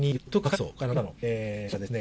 そうですね。